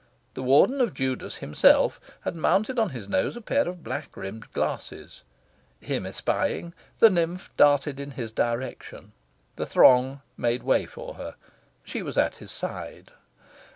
The Warden of Judas himself had mounted on his nose a pair of black rimmed glasses. Him espying, the nymph darted in his direction. The throng made way for her. She was at his side.